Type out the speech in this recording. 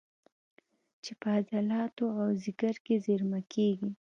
چې په عضلاتو او ځیګر کې زېرمه کېږي